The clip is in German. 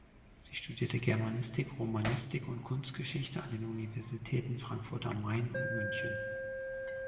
Sie studierte Germanistik, Romanistik und Kunstgeschichte an den Universitäten Frankfurt am Main und München.